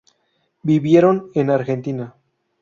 Vivieron en Argentina.